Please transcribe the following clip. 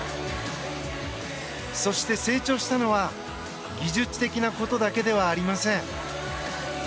そして成長したのは技術的なことだけではありません。